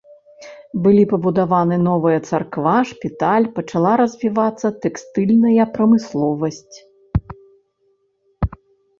Былі пабудаваны новая царква, шпіталь, пачала развівацца тэкстыльная прамысловасць.